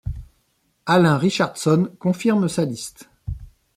Alain Richardson confirme sa liste.